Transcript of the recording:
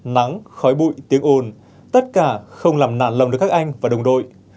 nắng khói bụi tiếng ồn tất cả không làm nản lòng được các anh và đồng đội